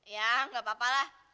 ya gak apa apalah